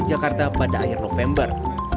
jakarta pada akhir november